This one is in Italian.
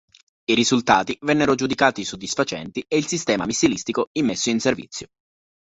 I risultati vennero giudicato soddisfacenti, e il sistema missilistico immesso in servizio.